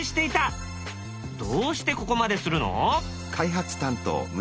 どうしてここまでするの？